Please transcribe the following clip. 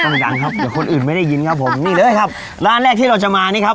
ดังครับเดี๋ยวคนอื่นไม่ได้ยินครับผมนี่เลยครับร้านแรกที่เราจะมานี่ครับ